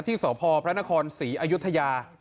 ที่สพพระนครศรีอยุธยา